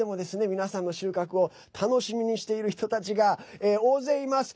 皆さんの収穫を楽しみにしている人たちが大勢います。